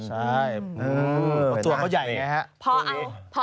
ใช่ตัวเขาใหญ่นะครับ